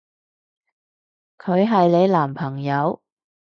佢係你男朋友？